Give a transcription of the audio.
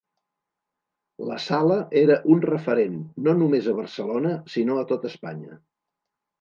La sala era un referent no només a Barcelona sinó a tot Espanya.